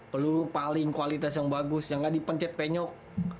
peluru paling kualitas yang bagus yang nggak dipencet penyok